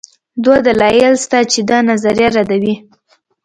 دوه دلایل شته چې دا نظریه ردوي.